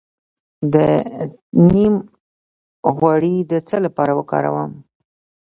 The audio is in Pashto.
د نیم غوړي د څه لپاره وکاروم؟